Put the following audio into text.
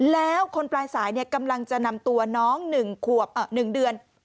แล้วคนปลายสายกำลังจะนำตัวน้อง๑ขวบ๑เดือน